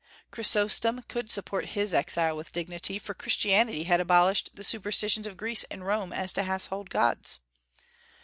Chrysostom could support his exile with dignity; for Christianity had abolished the superstitions of Greece and Rome as to household gods.